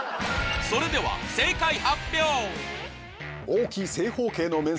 それでは正解発表！